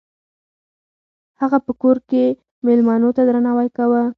هغه په کور کې میلمنو ته درناوی کاوه.